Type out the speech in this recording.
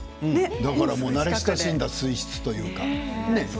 だから、慣れ親しんだ水質というか。